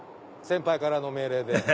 先輩からの命令で。